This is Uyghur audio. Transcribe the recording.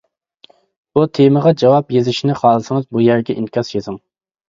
بۇ تېمىغا جاۋاب يېزىشنى خالىسىڭىز بۇ يەرگە ئىنكاس يېزىڭ!